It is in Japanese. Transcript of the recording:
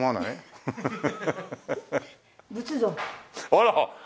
あら！